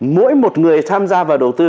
mỗi một người tham gia vào đầu tư